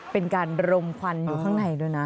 เป็นการรมควันอยู่ข้างในด้วยนะ